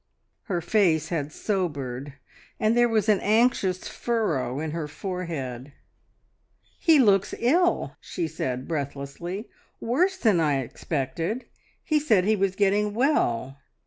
Her face had sobered, and there was an anxious furrow in her forehead. "He looks ill!" she said breathlessly. "Worse than I expected. He said he was getting well.